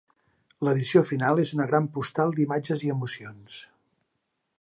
L'edició final és una gran postal d'imatges i emocions.